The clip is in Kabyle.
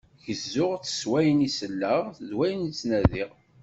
Gezzuɣ-tt seg wayen i selleɣ d wayen i ttnadiɣ.